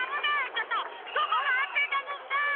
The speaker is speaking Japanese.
ちょっとどこがあんぜんなのさ！